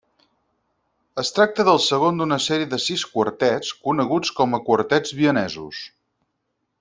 Es tracta del segon d'una sèrie de sis quartets, coneguts com a Quartets vienesos.